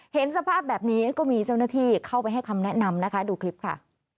เห็นสภาพแบบนี้ก็มีเจ้าหน้าที่เข้าไปให้คำแนะนำนะคะดูคลิปค่ะ